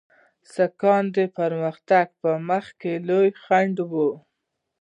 سیکهان د پرمختګ په مخ کې لوی خنډ وو.